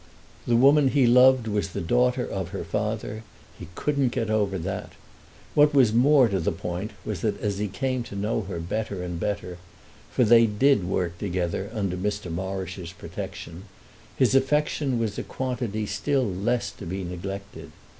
The woman he loved was the daughter of her father, he couldn't get over that. What was more to the point was that as he came to know her better and better—for they did work together under Mr. Morrish's protection—his affection was a quantity still less to be neglected.